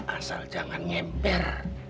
asal jangan ngemper